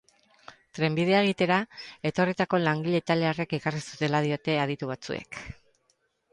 Trenbidea egitera etorritako langile italiarrek ekarri zutela diote aditu batzuek.